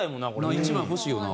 １枚欲しいよな。